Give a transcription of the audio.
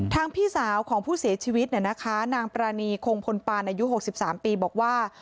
พี่สาวของผู้เสียชีวิตเนี่ยนะคะนางปรานีคงพลปานอายุ๖๓ปีบอกว่า